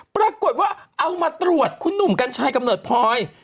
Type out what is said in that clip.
ปรากฏว่าเอามาตรวจคุณหนุ่มกัญชัยกำเนิดพลอย